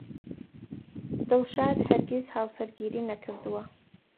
دڵشاد هەرگیز هاوسەرگیری نەکردەوە.